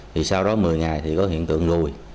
thì sau đó một mươi ngày thì có hiện tượng lùi